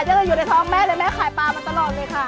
ก็เลยอยู่ในท้องแม่เลยแม่ขายปลามาตลอดเลยค่ะ